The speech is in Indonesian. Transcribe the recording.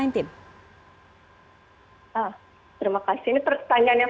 terima kasih ini pertanyaan yang